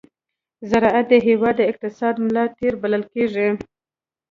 زراعت د هېواد د اقتصاد ملا تېر بلل کېږي.